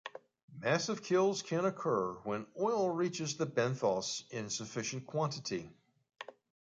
Massive kills can occur when oil reaches the benthos in sufficient quantity.